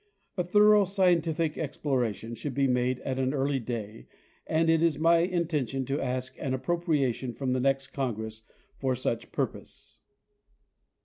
A thorough, scientific exploration should be made at an early day, and it is my intention to ask an appropriation from the next Congress for such purpose.